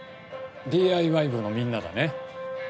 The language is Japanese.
ＤＩＹ部のみんなだね。